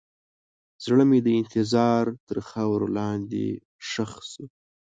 زړه مې د انتظار تر خاورو لاندې ښخ شو.